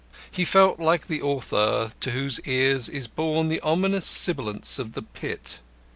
He felt like the author to whose ears is borne the ominous sibilance of the pit.